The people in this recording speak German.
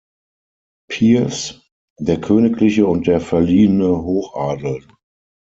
Peers: der königliche und der verliehene Hochadel.